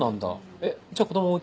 えっじゃあ子供お家？